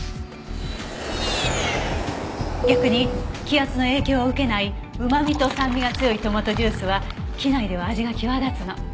逆に気圧の影響を受けないうま味と酸味が強いトマトジュースは機内では味が際立つの。